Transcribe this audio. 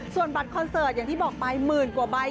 ส่วนบัตรคอนเสิร์ตอย่างที่บอกไปหมื่นกว่าใบ